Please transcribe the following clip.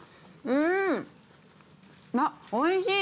うーんおいしい！